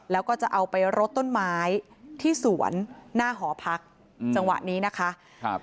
แล้วก็จะเอาไปรดต้นไม้ที่สวนหน้าหอพักจังหวะนี้นะคะครับ